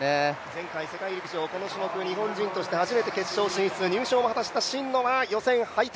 前回、世界陸上この種目日本人として初めて決勝進出入賞も果たした真野が予選敗退。